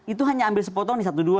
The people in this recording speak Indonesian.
itu hanya ambil sepotong nih satu dua